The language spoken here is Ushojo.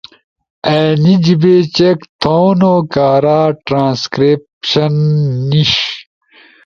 اینی جیِبے چیک تھؤنو کارا ٹرانسکرائبشن نیِش،